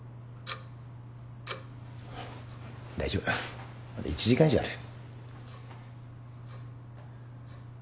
大丈夫まだ１時間以上ある。